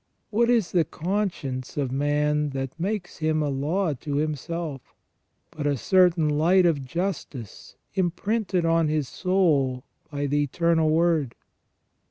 What is the conscience of man that makes him a law to himself, but a certain light of justice imprinted on his soul by the Eternal Word